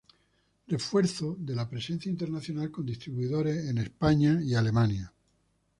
Refuerzo de la presencia internacional con distribuidores en España y Alemania.